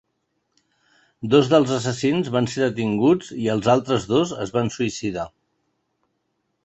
Dos dels assassins van ser detinguts i els altres dos es van suïcidar.